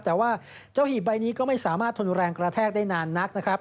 แต่ว่าเจ้าหีบใบนี้ก็ไม่สามารถทนแรงกระแทกได้นานนักนะครับ